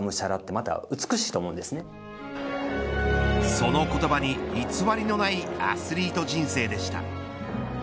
その言葉に偽りのないアスリート人生でした。